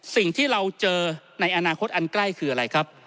สิ่งที่เราเจอในอนาคตอันใกล้คืออะไรครับ